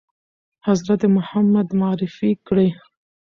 حضرت محمد معرفي کړی ؟